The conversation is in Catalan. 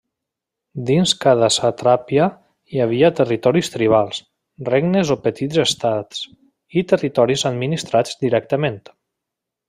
Dins cada satrapia hi havia territoris tribals, regnes o petits estats, i territoris administrats directament.